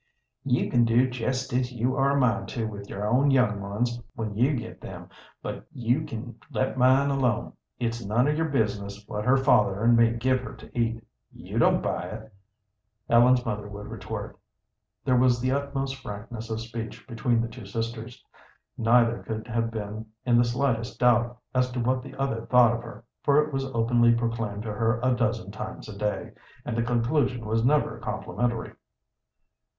"You can do jest as you are a mind to with your own young ones when you get them, but you can let mine alone. It's none of your business what her father and me give her to eat; you don't buy it," Ellen's mother would retort. There was the utmost frankness of speech between the two sisters. Neither could have been in the slightest doubt as to what the other thought of her, for it was openly proclaimed to her a dozen times a day, and the conclusion was never complimentary.